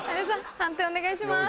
判定お願いします。